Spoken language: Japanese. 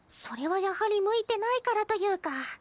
それはやはり向いてないからというか。